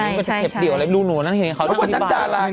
มันจะเก็บเดี่ยวอะไรรุนนั่นเขาได้อธิบาย